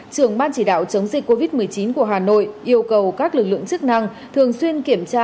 trưởng ban chỉ đạo chống dịch covid một mươi chín của hà nội yêu cầu các lực lượng chức năng thường xuyên kiểm tra